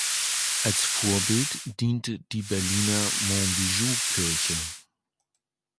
Als Vorbild diente die Berliner Monbijou-Kirche.